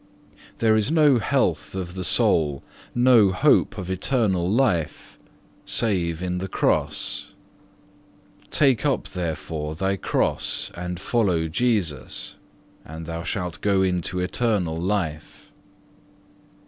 There is no health of the soul, no hope of eternal life, save in the Cross. Take up therefore, thy cross and follow Jesus and thou shalt go into eternal life.